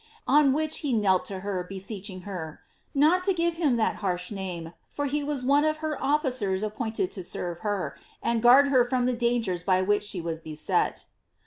81 JbQot ;^ on which he knelt to her, beseeching her *^ not to give him ibat harsh name^ for he was one of her officers appointed to serve her, aid fDard her from the dangers by which she was beset."